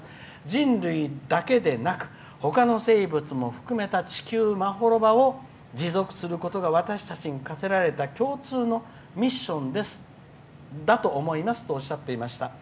人類だけでなくほかの生物も含めた地球まほろばを持続しながら私たちに課せられた共通のミッションだと思いますとおっしゃっていました。